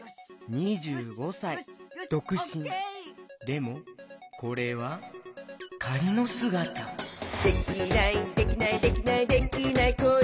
でもこれはかりのすがた「できないできないできないできない子いないか」